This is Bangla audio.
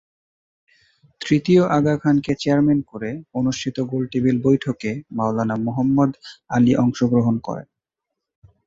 তৃতীয় আগা খানকে চেয়ারম্যান করে অনুষ্ঠিত গোলটেবিল বৈঠকে মাওলানা মুহাম্মদ আলি অংশগ্রহণ করেন।